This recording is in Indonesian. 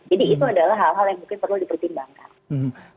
jadi itu adalah hal hal yang mungkin perlu dipertimbangkan